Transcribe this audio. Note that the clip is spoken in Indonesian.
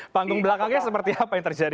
panggung belakangnya seperti apa yang terjadi